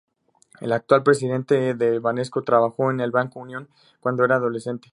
El actual presidente de Banesco trabajó en el Banco Unión cuando era adolescente.